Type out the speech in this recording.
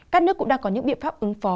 các nước cũng đang có những biện pháp ứng phó